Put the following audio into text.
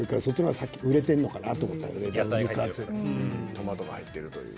トマトが入ってるという。